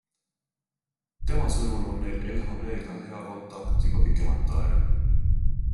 Tema sõnul on neil LHVga hea kontakt juba pikemat aega.